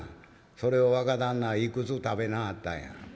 それを若旦那は幾つ食べなはったんや？」。